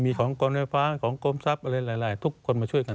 มีของกรมไฟฟ้าของกรมทรัพย์อะไรหลายทุกคนมาช่วยกัน